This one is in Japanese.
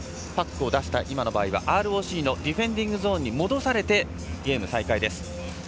今の場合だとＲＯＣのディフェンディングゾーンに戻されてゲーム再開です。